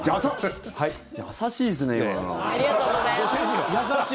優しいですね、今の。